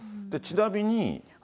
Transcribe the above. ちなみに。